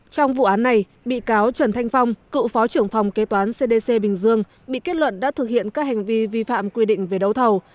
trong vụ án này bị cáo trần thanh phong cựu phó trưởng phòng kế toán cdc bình dương bị kết luận đã thực hiện các hành vi vi phạm quy định về đấu thầu